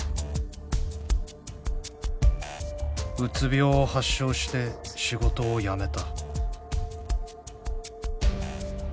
「うつ病を発症して仕事を辞めた」。